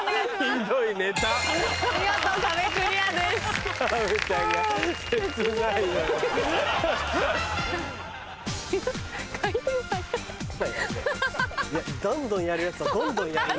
どんどんやるヤツはどんどんやるね。